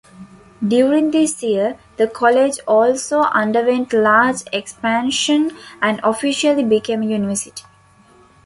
During this year, the college also underwent large expansion and officially became a university.